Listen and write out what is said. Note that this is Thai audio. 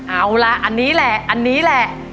เอาล่ะนี่แหละนี่แหละ